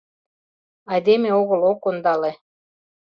Айдеме огыл — ок ондале.